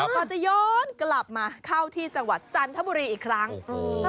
ครับก็จะย้อนกลับมาเข้าที่จังหวัดจันทบุรีอีกครั้งโอ้โห